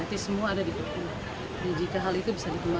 terima kasih pak juw kamu juga